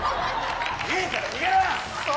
いいから逃げろクッソ